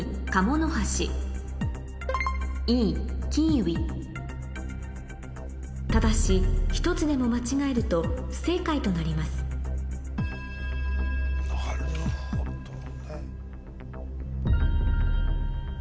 現在ただし１つでも間違えると不正解となりますなるほどね。